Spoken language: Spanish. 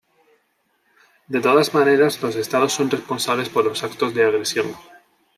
De todas maneras los estados son responsables por los actos de agresión.